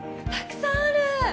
たくさんある。